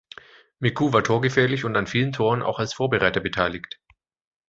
Micoud war torgefährlich und an vielen Toren auch als Vorbereiter beteiligt.